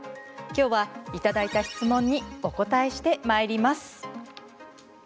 きょうは、いただいた質問にお答えしてまいります。